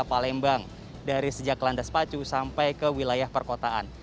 palembang dari sejak landas pacu sampai ke wilayah perkotaan